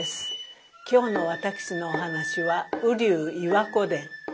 今日の私のお噺は「瓜生岩子伝」。